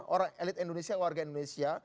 orang elit indonesia warga indonesia